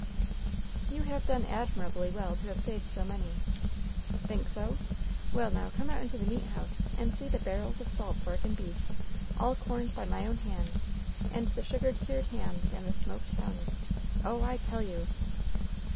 "You have done admirably well to have saved so many." "Think so ? Well, now come out into the meat house, and see the barrels of salt pork and beef, all corned by. my own hands, and the sugar cured hams and the smoked tongues. Oh, I tell you